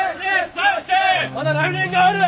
まだ来年がある！